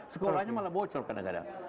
sekolahnya malah bocor kadang kadang